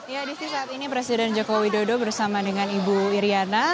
ya di sini saat ini presiden joko widodo bersama dengan ibu iryana